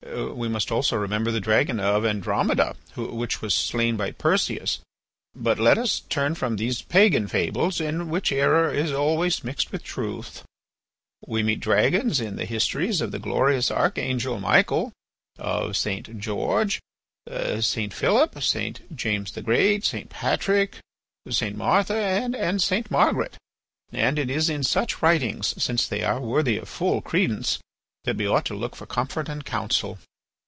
We must also remember the dragon of Andromeda, which was slain by Perseus. But let us turn from these pagan fables, in which error is always mixed with truth. We meet dragons in the histories of the glorious archangel Michael, of St. George, St. Philip, St. James the Great, St. Patrick, St. Martha, and St. Margaret. And it is in such writings, since they are worthy of full credence, that we ought to look for comfort and counsel.